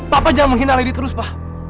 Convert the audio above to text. papa jangan menghina lady terus pa